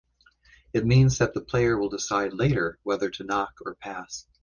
It means that the player will decide later whether to knock or pass.